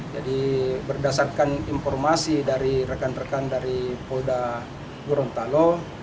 jadi berdasarkan informasi dari rekan rekan dari polda gurun talo